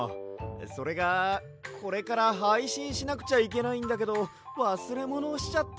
それがこれからはいしんしなくちゃいけないんだけどわすれものをしちゃって。